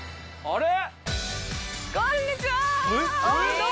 あれ！